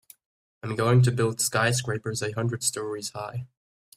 I'm going to build skyscrapers a hundred stories high.